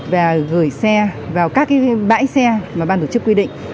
và gửi xe vào các cái bãi xe mà ban tổ chức quy định